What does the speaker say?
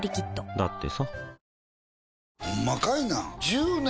だってさ